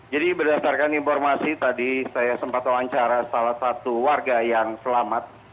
jadi berdasarkan informasi tadi saya sempat wawancara salah satu warga yang selamat